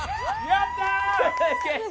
やったー！